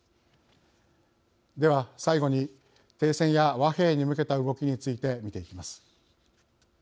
では最後に停戦や和平に向けた動きについて見ていきます。